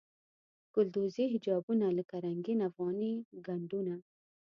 ګلدوزي حجابونه لکه رنګین افغاني ګنډونه.